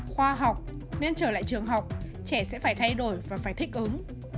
khoa học nên trở lại trường học trẻ sẽ phải thay đổi và phải thích ứng